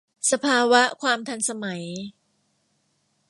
สภาวะความทันสมัย